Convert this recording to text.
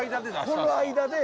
この間で。